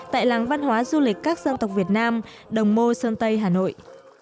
tại làng văn hóa du lịch các dân tộc việt nam đồng mô sơn tây hà nội